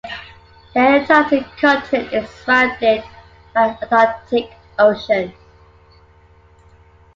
The Antarctic continent is surrounded by the Antarctic Ocean.